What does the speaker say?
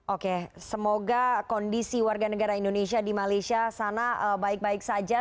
oke semoga kondisi warga negara indonesia di malaysia sana baik baik saja